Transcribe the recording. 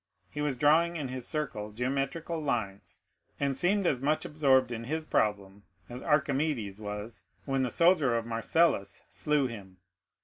He was drawing in this circle geometrical lines, and seemed as much absorbed in his problem as Archimedes was when the soldier of Marcellus slew him.